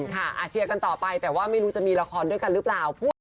ค่ะเชียร์กันต่อไปแต่ว่าไม่รู้จะมีละครด้วยกันหรือเปล่า